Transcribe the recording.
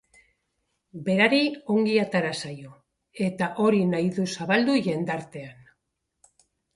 Berari ongi atera zaio, eta hori nahi du zabaldu jendartean.